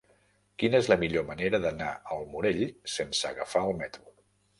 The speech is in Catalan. Quina és la millor manera d'anar al Morell sense agafar el metro?